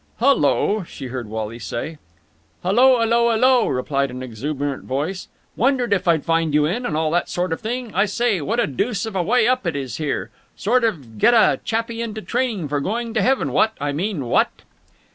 "Hullo!" she heard Wally say. "Hullo ullo ullo!" replied an exuberant voice. "Wondered if I'd find you in, and all that sort of thing. I say, what a deuce of a way up it is here. Sort of get a chappie into training for going to heaven, what? I mean, what?"